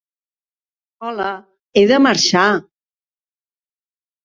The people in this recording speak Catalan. Hola, he de marxar!